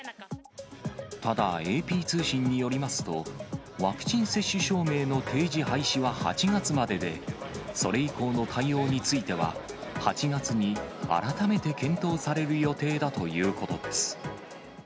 ただＡＰ通信によりますと、ワクチン接種証明の提示廃止は８月までで、それ以降の対応については、８月に改めて検討される予定だということです。